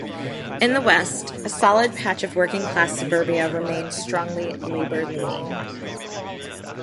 In the west, a solid patch of working-class suburbia remain strongly Labor-leaning.